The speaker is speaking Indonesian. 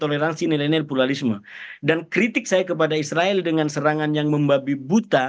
toleransi nilai nilai pluralisme dan kritik saya kepada israel dengan serangan yang membabi buta